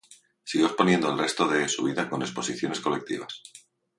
Siguió exponiendo el resto de su vida en exposiciones colectivas.